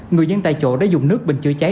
người dân tại chỗ đã dùng nước bình chữa cháy